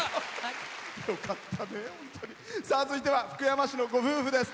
続いては福山市のご夫婦です。